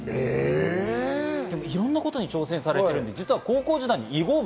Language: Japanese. いろんなことに挑戦されていて高校時代は囲碁部。